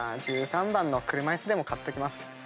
１３番の車いすでも買っときます。